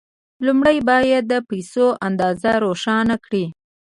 لومړی باید د پيسو اندازه روښانه کړئ.